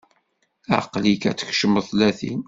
Aql-ik ad tkecmeḍ tlatin.